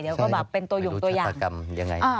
เดี๋ยวก็แบบเป็นตัวหย่งตัวอย่างยังไง